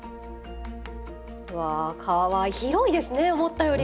わ広いですね思ったより。